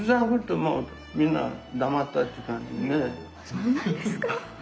そうなんですか？